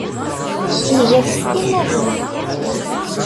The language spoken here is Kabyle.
Nga-t s timmad-nneɣ.